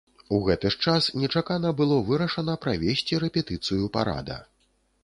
У гэты ж час нечакана было вырашана правесці рэпетыцыю парада.